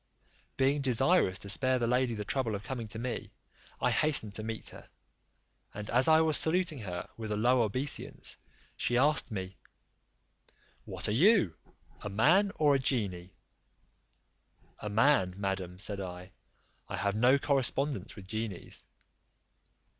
Being desirous to spare the lady the trouble of coming to me, I hastened to meet her; and as I was saluting her with a low obeisance, she asked me, "What are you, a man or a genie?" "A man, madam," said I; "I have no correspondence with genies."